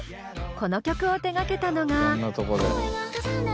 この曲を手がけたのが。